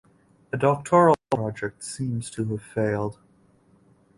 A doctoral project seems to have failed.